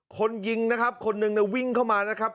คนยิงนะครับคนหนึ่งวิ่งเข้ามานะครับ